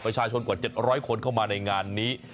ประชาชนกว่า๗๐๐คนเข้ามาในงานนี้